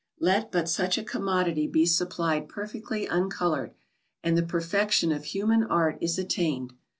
Let but such a commodity be supplied perfectly uncoloured, and the perfection of human art is attained.